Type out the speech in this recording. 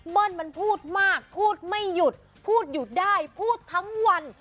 มันพูดมากพูดไม่หยุดพูดหยุดได้พูดทั้งวัน